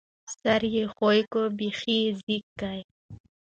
ـ سر يې ښويکى، بېخ يې زيږکى.